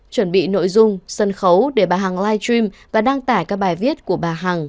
chuẩn bị nội dung sân khấu để bà hằng live stream và đăng tải các bài viết của bà hằng